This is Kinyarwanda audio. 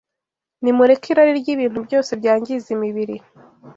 Nimureke irari ry’ibintu byose byangiza imibiri